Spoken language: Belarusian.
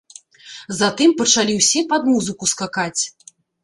Затым пачалі ўсе пад музыку скакаць.